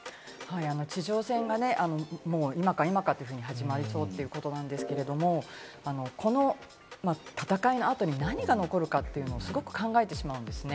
地上戦が今か今かと始まりそうということなんですけれども、この戦いの後に何が残るかというのをすごく考えてしまうんですね。